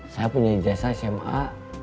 saya punya ijazah sma